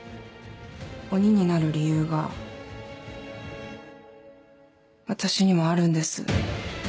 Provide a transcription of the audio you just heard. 鬼になる理由が私にもあるんです。